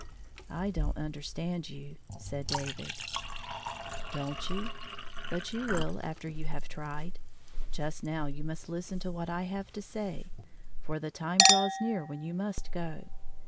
" I don't understand you," said David. 99 56910B i "Don't youl But you will after you have tried. Just now you must listen to what I have to say, for the time draws near when you must go.